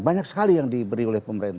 banyak sekali yang diberi oleh pemerintah